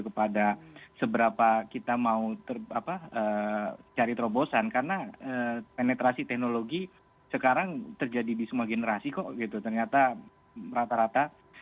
kepada seberapa kita mau ter apa cari terobosan karena penetrasi teknologi sekarang terjadi di semua generasi kok gitu ternyata rata rata